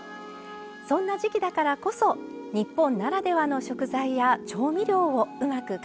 そんな時期だからこそ日本ならではの食材や調味料をうまく活用したいもの。